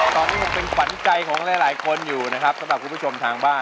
ตอนนี้เป็นขวัญใจของหลายคนอยู่นะครับสำหรับคุณผู้ชมทางบ้าน